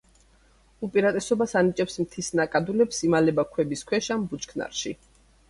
უპირატესობას ანიჭებს მთის ნაკადულებს, იმალება ქვების ქვეშ ან ბუჩქნარში.